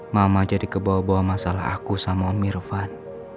mama jadi kebawa bawa masalah aku sama om irfan